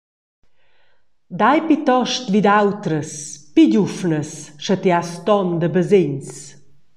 Dai plitost vid autras, pli giuvnas, sche ti has ton da basegns.